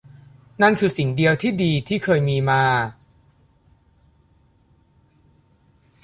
นั่นคือสิ่งเดียวที่ดีที่เคยมีมา